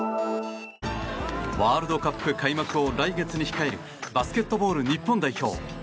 ワールドカップ開幕を来月に控えるバスケットボール日本代表。